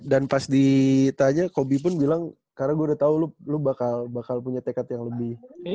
dan pas ditanya kobe pun bilang karena gue udah tau lu bakal punya tekad yang lebih kuat